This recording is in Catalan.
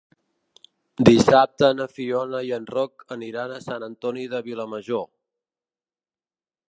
Dissabte na Fiona i en Roc aniran a Sant Antoni de Vilamajor.